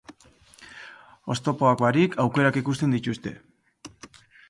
Oztopoak barik, aukerak ikusten dituzte.